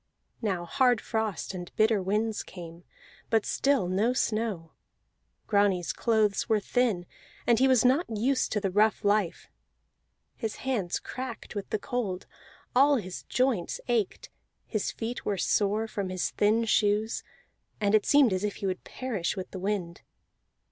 Now hard frost and bitter winds came, but still no snow. Grani's clothes were thin, and he was not used to the rough life; his hands cracked with the cold, all his joints ached, his feet were sore from his thin shoes, and it seemed as if he would perish with the wind.